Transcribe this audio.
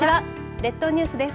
列島ニュースです。